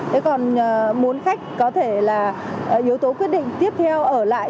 thế còn muốn khách có thể là yếu tố quyết định tiếp theo ở lại